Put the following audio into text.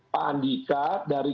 pak andika dari